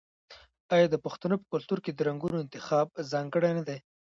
آیا د پښتنو په کلتور کې د رنګونو انتخاب ځانګړی نه دی؟